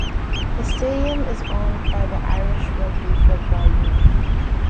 The stadium is owned by the Irish Rugby Football Union.